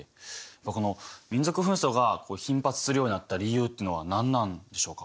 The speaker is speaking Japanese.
この民族紛争が頻発するようになった理由というのは何なんでしょうか？